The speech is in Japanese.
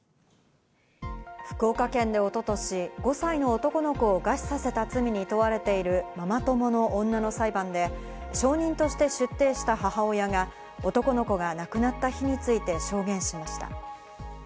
福岡県で一昨年、５歳の男の子を餓死させた罪に問われているママ友の女の裁判で、証人として出廷した母親が男の子が亡くなった日について証言しました。